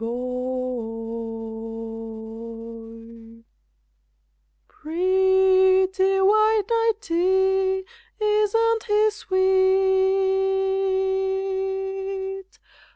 Pretty white "nighty" isn't he sweet?